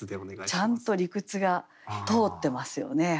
ちゃんと理屈が通ってますよね。